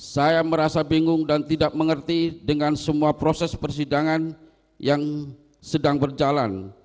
saya merasa bingung dan tidak mengerti dengan semua proses persidangan yang sedang berjalan